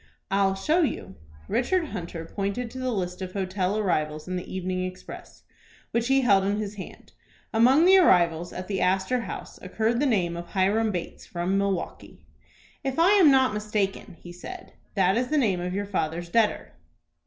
"I'll show you." Richard Hunter pointed to the list of hotel arrivals in the "Evening Express," which he held in his hand. Among the arrivals at the Astor House occurred the name of Hiram Bates, from Milwaukie. "If I am not mistaken," he said, "that is the name of your father's debtor."